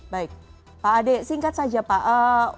baik pak ade singkat saja pak